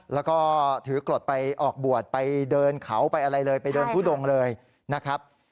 แล้วก็ถือกรดไปออกบวชไปเดินเขาไปอะไรเลยไปเดินทุดงเลยนะครับ